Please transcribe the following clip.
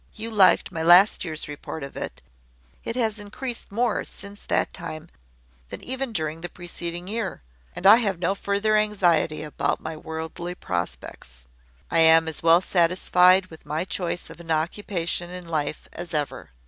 You liked my last year's report of it. It has increased more since that time than even during the preceding year; and I have no further anxiety about my worldly prospects. I am as well satisfied with my choice of an occupation in life as ever.